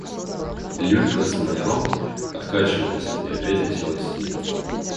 Люлька с маляром откачивалась и опять летела к стене.